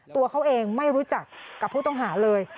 ตัวเขาเองไม่รู้จักกับผู้ต้องหาเลย